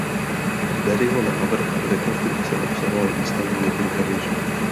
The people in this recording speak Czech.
Barryho návrh rekonstrukce obsahoval výstavbu několika věží.